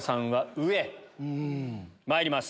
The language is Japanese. うん。まいります